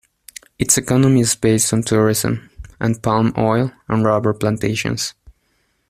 Its economy is based on tourism, and palm oil and rubber plantations.